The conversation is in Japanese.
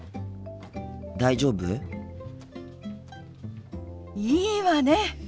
大丈夫？いいわね！